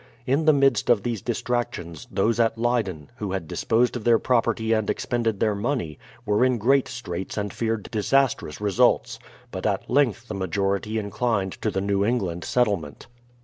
In the midst of these distractions, those at Leyden, who had disposed of their property and ex pended their money, were in great straits and feared dis astrous results; but at length the majority inclined to the New England Settlement.